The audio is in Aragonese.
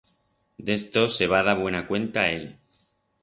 D'esto se va dar buena cuenta él.